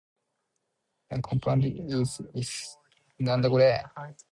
The compound is isostructural with ReO.